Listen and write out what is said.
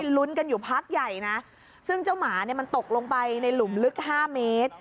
รุ้นกันอยู่พักใหญ่ซึ่งเจ้าหมาตกลงไปในหลุมลึก๕เมตร